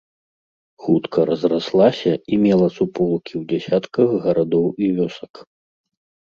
Хутка разраслася і мела суполкі ў дзясятках гарадоў і вёсак.